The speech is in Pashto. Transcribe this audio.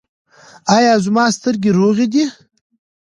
ایا زما سترګې روغې دي؟